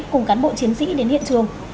cùng cán bộ chiến sĩ đến hiện trường